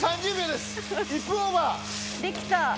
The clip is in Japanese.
できた！